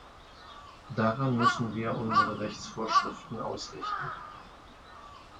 Daran müssen wir unsere Rechtsvorschriften ausrichten.